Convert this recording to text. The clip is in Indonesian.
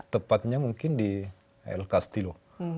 tepatnya mungkin di el castil